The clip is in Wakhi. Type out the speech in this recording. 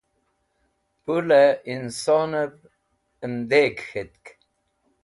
Pũlẽ insonẽv ẽndeg k̃hatk.